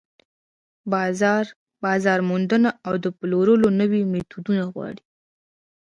بازار موندنه او د پلورلو نوي ميتودونه غواړي.